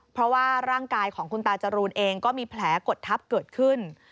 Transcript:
เพราะว่าร่างกายของคุณตาจรูนเองก็มีแผลกดทับเกิดขึ้น